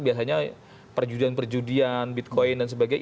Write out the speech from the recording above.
biasanya perjudian perjudian bitcoin dan sebagainya